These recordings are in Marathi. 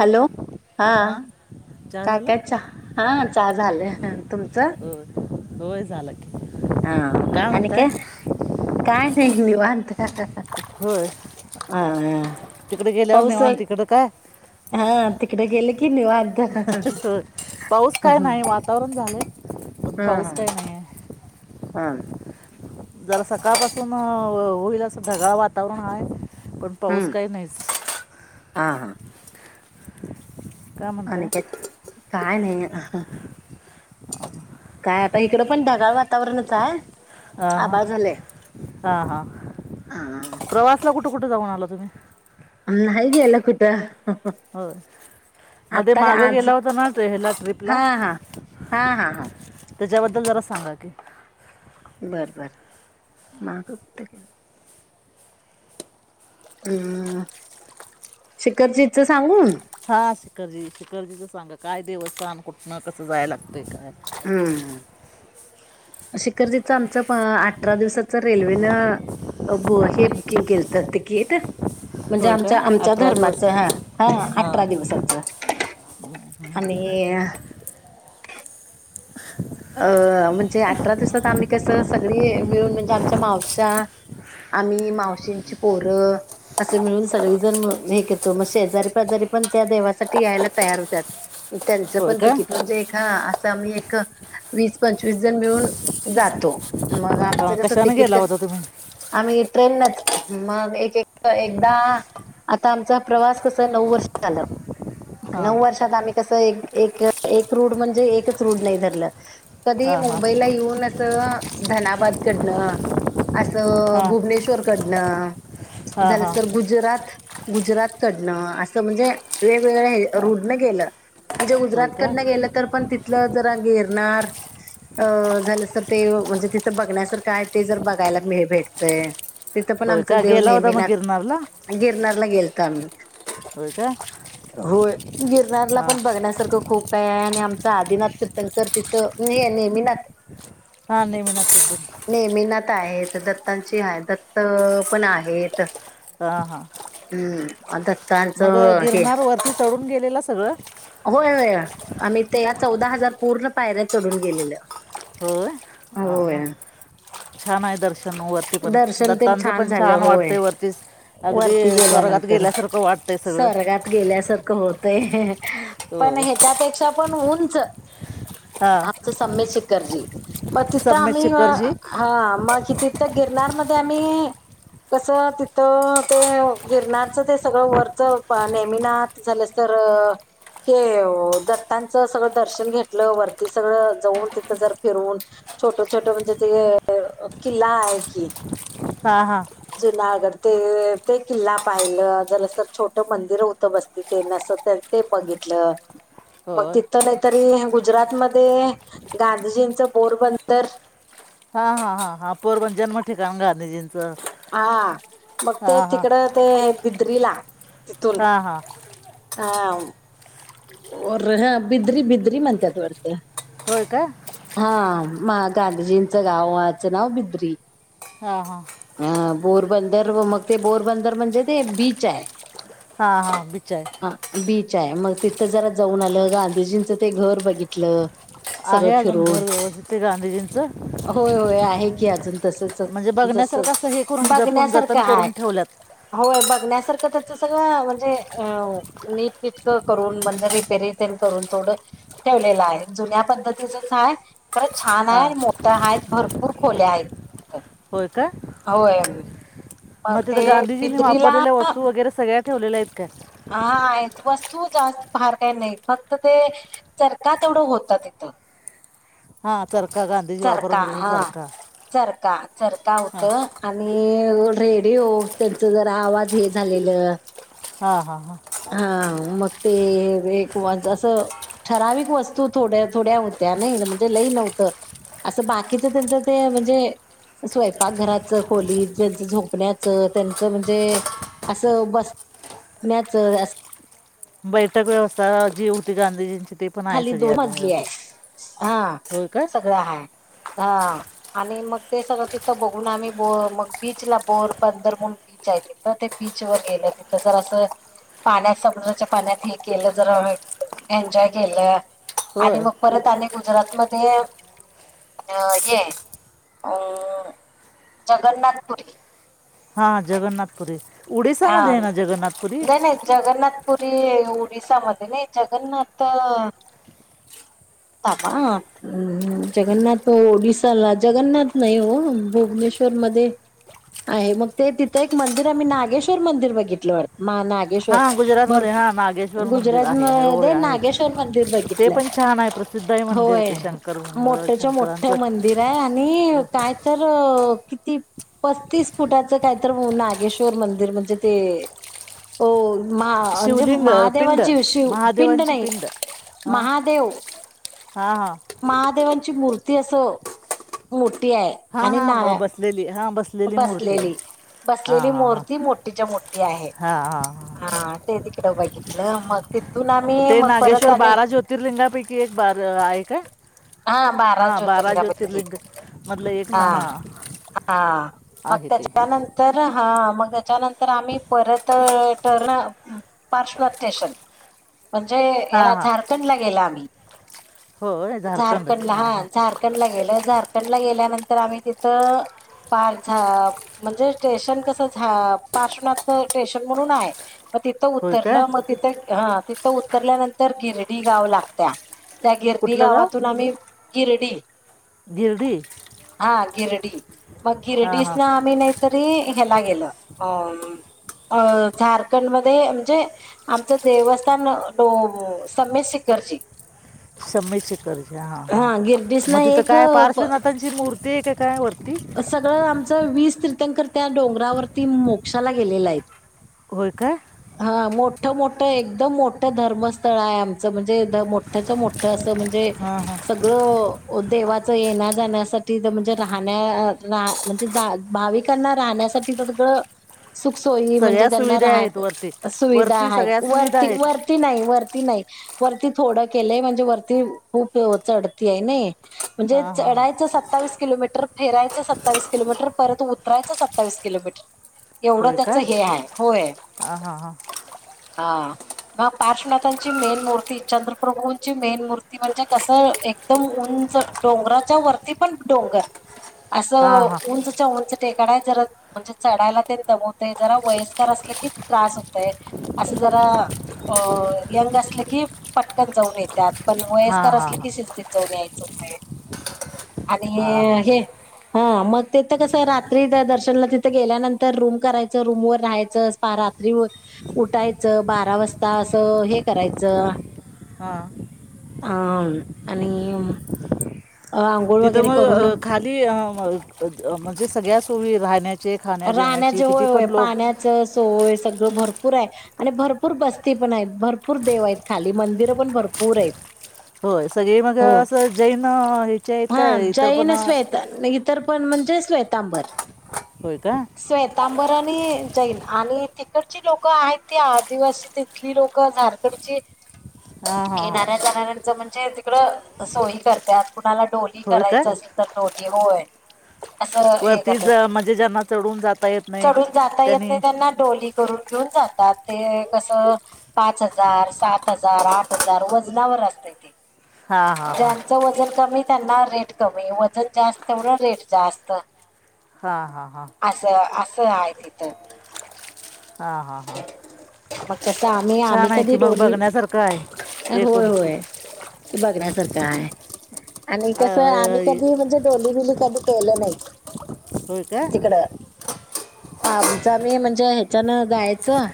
हॅलो हा हां चहा काय झाला काय च हा चहा झाले तुमचं होय होय झाला की हा काय आणि म्हणताय का काय नाहीता होय ह ह तिकडे गेल्यावर पाऊस निवांत तिकडं काय हा तिकडे गेले की नि वा पाऊस काय नाही वातावरण झालं पाऊस काय नाही आहे हा जरा सकाळपासून होईल असं ढगाळ वातावरण आहे पण पाऊस हम्म काही नाहीच हा हा काय आणि म्हणताय काय काय नाही काय आता इकडं पण ढगाळ वातावरणच आहे अ ह आभाळ झालंय हा हा हा प्रवासला कुठे कु कुठे जाऊन आला तुम्ही अम ह गयला कुट. हो मध्ये का मागं आज गेला होता ना टला हा ट्रिपला हा हा हा हा त्याच्याबद्दल जरा सांगा की बरं बरं मगंत के- हम् शखरजच सांगून हा शिखरजी शिखरजीच सांगा काय देवस्थान कुठनं कसं जायला लागतंय काय हम्म ह शिखरजीचं आमचं अठरा दिवसाचं रेल्वेनं अबो हे बुकिंग केल तर तिकीट म्हणजे होय का आमच्या आमच्या अठरा दिवस धर्माचं हा हा हां अठरा दिवसाच आणि अ म्हणजे अठरा दिवसात आम्ही कस सगळी मिळून म्हणजे आमच्या मावश आम्ही मावशींची पोरं असे मिळून सगळी जण हे करतो मग शेजारी पजारी पण त्या देवासाठी यायला तयार होत्या त्यांचं होय पण का तिकीट म्हणजे एक हा असं आम्ही एक वीस पंचवीस जण मिळून जातो मग आमचं हां कसं कशानं तिकीट गेला कस होता तुम्ही आम्ही ट्रेन नच मग एक एकदा आता आमचा प्रवास कस नऊ वर्ष झालं हां नऊ वर्षात आम्ही कसं एक एक रूड म्हणजे एकच रूढ नाही धरलं कधी हां हां मुंबईला येऊन असं धनाबाद कडनं असं हां भुवनेश्वर कडनं हां हां झालंस तर गुजरात गुजरात कडनं असं म्हणजे वेगवेगळ हे हां रुडनं गेलं म्हणजे होय का गुजरातकडनं गेलं तर पण तिथलं जरा गिरणार अ झालंस तर ते म्हणजे तिथं बघण्यासारखं आहे ते जर बघायला मी भेटतय तिथं पण होय आमच का देव गेला होता मग नेहमीनाथ गिरनारला गिरनारला गेलतो आम्ही हो का होय. गिरनारला हां पण बघण्यासारखं खूप काय आहे आणि आमच आदिनाथ तीर्थंनकर तिथं न नेहमीनात हां नेहमी नक्की. नेमीनात आहेत दत्तांची आहे दत्त पण आहेत हा हा हम्म मग दत्तांचं हे गिरनार वरती चढून गेलेलं सगळं होय होय आम्ही ते या चौदा हजार पूर्ण पायऱ्या चढून गेलेल्या होय अ हा छान आहेर् वरती पण दर्शन तेन दत्तांचं पण झालं छान होय. वाटतंय वरती अगदी वरती स्वर्गात गेल्यानंतर गेल्यासारखं वाटतंय सगळं स्र्गात गेल्यासारखं होत ते पण होय ह्याच्यापेक्षा पण उऊंच आमचं हां सम्य शेखरजी मग तिथं सम्यक आम्ही शिखरजी हा मगि तिथं गिरनारमध्ये आम्ही कस तिथं ते गिरनारचं ते सगळं वरच नेहमीिना झालं अस तर हे दत्तांचं सगळं दर्शन घेतलं वरती सगळं जाऊन तिथं जर फिरून छोट छोट म्हणजे ते किल्ला आहे की हा हा जुनागड ते ते किल्ला पाहिलं जला सर छोट मंदिर होतं बसती ते न ते बघितलं मग होय तिथ तरी गुजरातमध्येध्ये गांधीजींचं बोरबंदर हा हा हा हा पोरबन जन्म ठिकाण गाध जीं हा मग ते तिकडं ते पिद्रीला हा हा हा र ह बिद्री बिद्री म्हणतात वरत होय का हा म गांधीजींचं गाव आचं नाव बिद्री हा हा पोरबंदर व मग ते बोरबंदर म्हणजे ते बीच आहे हा हा हा बीच आहे मग तिथं जरा जाऊन आलं गांधीजींचं ते घर बघितलं सगळं आहे अजून घर फिरवून व्यवस्थित ते गांधीजींचं होय होय आहे की अजून म्हणजे जस बघण्यासारखं असं हे करून जपून बघण्यासारख जतन हाय करून ठेवल्यात होय ब ण्यासारखं त्याच सगळं म्हणजे नीटनेटक करून म्हणजे रिपेरी तेण करून थोडं ठेवलं आहे जु्या पद्धतीचच आहे खरं छान हां आहे मोठ्या आहेत भरपूर खोल्या आहेत अच्छ होय का हो आहे मग तिथं गांधीजींनी वापरलेल्या वस्तू वगैरे सगळ्या ठेवलेल्या आहेत हा का आहेत वस्तू जास्त फार काही नाही फक्त ते चरखा तेवढं होत तथं हा चरका गांधीजी वापरत होते ते हा चरका चरका चरका होत आणि रेडिओ त्यांच जरा आवाज हे झालेलं हा हा हा हा म ते एकं ठराविक वस्तू थोड्या थोड्या होत्या नाही म्हणजे लई नव्हतं असं बाकीच त्यांचं ते म्हणजे स्वयंपाकघराचं खोली त्यांच झोपण्याचं त्यांचं म्हणजे असं बस म्याचा असे बैठक व्यवस्था जी होती गांधीजींची ते पण आहे खाली सगळी दोन अजून मजली आहे व्यवस्थित हा होय काय सगळं हा हा आणि मग ते सगळं तिथं बघून आम्ही ब मग बीचला बोर पंदरमून बीच आहे थ ते बीच वर गेले तिथं जर असं पाण्यात समुद्राच्या पाण्यात हे केलं जरा एन्जॉय गेलं आणि होय मग परत आणि गुजरात मध्ये अ हे जगन्नाथपुरी हां जगन्नाथपुरी उडीसामध्ये हा आहे ना जगन्नाथपुरी नाही ना जगन्नाथपुरी ओरिसामध्ये नाही जगन्नाथ [unintelligible] जगन्नाथ ओडिसाला जगन्नाथ नाही हो भुवनेश्वर आहे मग ते तिथं एक मंदिर आम्ही नागेश्वर मंदिर बघितलेत वाटते मा नागेश्वर हां गुजरातमध्ये हां भरपूर नागेश्वर मंदिर गुजरात आहे आहे, मध्ये होय आहे नागेश्वर मंदिर बघित ते पण छान आहे प्रसिद्ध आहे मंदिर होय ते शंकर मंगळ मोठ मोठ शंकरांचं मंदिर आहे आणि काय तर अ किती पस्तीस फुटाच काहीत नागेश्वर मंदिर म्हणजे ते हो म म्हणजे शिवलिंग पिंड महादेवांची शिव पिंड महादेवांची नाही हां महादेव हां हां महादेवांची मूर्ती असे मोठी आहे हां आणि हां बसलेली हां मूर्ती आहे बसलेली हां बसलेली हां हां मूर्ती मोठीच्या मोठी आहे हां हां हां हा ते तिकडे बाघितलं म ते नागेश्वर बारा ज्योतिर्लिंगापैकी एक बार आहे काय हा बारा ज्योतिर्लिंगांपैकी मधलं एक हा ना हां हा मग आहे ते त्याच्यानंतर हा मग त्याच्यानंतर आम्ही परत टर्न पारशुनाथ स्टेशन म्हणजे हां या्याला हां झारखंड ला गेला आम्ही होय झारखंड ला हां हा हां झारखंड ला गेलं झारखंड ला गेल्यानंतर आम्ही तिथं पार झा म्हणजे स्टेशन कसं झा पाशुनाथ स्टेशन म्हणून आहे मग तिथं होय का उतरलं मग तिथं हा तिथं उतरल्यानंतर गिरडी गाव लागत्या त्या गिरडी कुठलं गाव गावातून आम्ही गिरडी गिरडी हा गिरडी मग हां गिरडीस हां न आम्ही नाहीतरी ह्याला गेल अ अ झारखंडमध्येध्ये म्हणजे आमच देवस्थ समी शिखरजी समीशिखरजी हा हा गिरडीस ना मग तिथं एक काय पार्श्वनाथांची मूर्ती आहे का काय वरती सगळं आमचं वीस त त्या डोंगरावरती मोक्षाला गेलेला आहे होय का हा मोठ मोठ मोठं एकदम मोठं धर्मस्थळ आहे आमचं म्हणजे मोठ्याच मोठं म्हणजे हां हां सगळ देवा ये जाण्यासाठी म्हणजे राहणे म्हणजे भाविकांना राहण्यासाठी सुख सोयी सगळ्या सुविधा आहेत वरती सुविधा वरती आहे सगळ्या सुविधा आहेत वरती नाही वरती नाही वरती थोडं केलंय म्हणजे वरती खूप चढती आहे नाही म्हणजे हां हां हां चढायच सत्तावीस किलोमीटर फेरायचं सत्तावीस किलोमीटर परत उतरायचं सत्तावीस किलोमीटर एवढं होय का त्याच हे आहे. होय. हां हां हां हा मग पार्श्वनाथांची मेन मूर्ती, चंद्रप्रभूंची मेन मूर्ती, म्हणजे कसं एकदम उंच. डोंगराच्या वरती पण डोंगर, अस हां हां उंचच्या उंच म्हणजे चढायला दमतेय. जरा वयस्कर असले की, त्रास होत असे जरा अ यंग असले की, पटकन जाऊन येतात. पण हां वयस्कर हां असले हां की, शिस्तीत जाऊन यायचं. आणि हे हां हां हे मग तेथं कसं रात्री द दर्शनला तिथं गेल्यानंतर रूम करायचं, रूम वर राहायचं, रात्रीवर उठायचं. बारा वाजता असं हे करायचं. हा. हा. आणि अ, आंघोळ तिथं वगैरे मग अ करून खाली म्हणजे सगळ्या सोयी राहण्या राहण्याचे होय, होय. पाण्याच सोय. सगळ भरपूर आहे आणि भरपूर बस्ती पण आहेत. भरपूर देव आहेत खाली. मंदिरं पण भरपूर आहेत. होय सगळे मग हो असं जैन ह्याचे आहेत काय? इतर पण तर्पण म्हणजे स्वेताबर. होय का स्वेताबर ती जाईल आणि तिकडची लोकं आहेत ती आदिवासी, तिथली लोक झारखंडची हा हा हा. येणाऱ्या जाणाऱ्यांचं म्हणजे तिकड सोय करते, कुणाला डोली होय का करायचं असेल तर डोली होय. असं हे वरती करतात. ज म्हणजे ज्यांना चढून जाता येत नाही चढून जाता येत त्यांनी नाही, त्यांना डोली कर घेऊन जातात ते कसं ते कसं पाच हजार, सात. हजार, आठ हजार. मग कसं? हां हां हां ज्यांच वजन कमी त्यांना रेट कमी, वजन जास्त तेवढं रेट जास्त. हां हां हां असं. असं आहे तिथं. हां हां हां. मग तस आम्ही, आम्ही छान आहे की कधी मग डोली बघण्यासारखं आहे एकूण होय होय. हे बघण्या सारखं काय? आणि अ, कसं अ, आम्ही कधी म्हणजे, डोलीबिली कधी केलं नाही. होय का. तिकडं. आमच आमी, म्हणजे ह्याच्यान जायचं.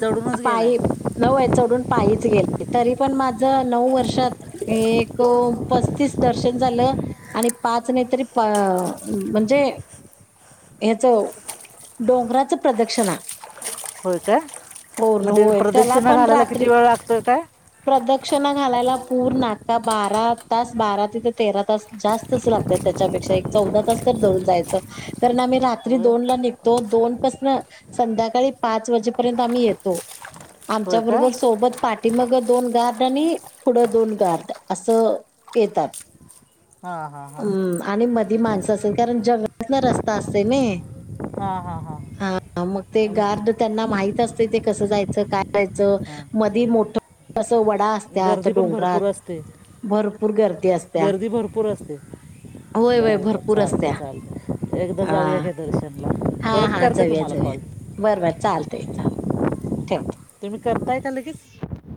चढूनच गेलाय पायी [unintelligible] चढून पायीचं गेलते तरी पण माझ नऊ वर्षात एक पस्तीस. दर्शन झालं. आणि पाच नाही तरी पा म्हणजे याच, डोंगराच प्रदक्षिणा. होय का पूर्ण म्हणजे होय. त्याला प्रदक्षिणा पण घालायला रात्री किती वेळ लागतोय काय प्रदक्षणा घालायला पूर्ण आता बारा तास, बारा ते ते तेरा तास जास्तच लागत त्याच्यापेक्षा चवदा तास तरी धरून जायचं. तर ना आम्ही रात्री होय दोन ला निघतो. दोन पासना संध्याकाळी पाच वाजेपर्यंत आम्ही येतो. होय का आमच्याबरोबर सोबत पाठीमाग दोन गार्ड आणि पुढं दोन गार्ड असं येतात. हा हा हा. ती माणसं असेल, कारण जगात ना रस्ता असते न हा हा हा. मग ते गार्ड त्यांना माहिती कस जायच, काय करायच, हां मधी मोठ अस, वाट ड असत्यात गर्दी पण भरपूर डोंगरात, असते भरपूर गर्दी असत्या. होय होय बर बर भरपूर असत्या चालते, चालते एकदा हा जाऊ या का? दर्शनला. हा परत हा करते जाऊया तुम्हाला जाऊया कॉल. बरं बर चालते चालते ठेवते. तुम्ही करताय का? लगेच.